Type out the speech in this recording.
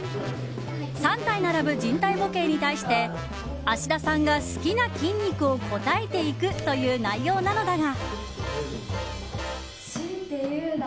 ３体並ぶ人体模型に対して芦田さんが好きな筋肉を答えていくという内容なのだが。